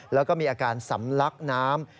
แล้วก็มีอาการสำลักน้ำ